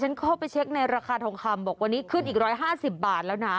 ฉันเข้าไปเช็คในราคาทองคำบอกวันนี้ขึ้นอีก๑๕๐บาทแล้วนะ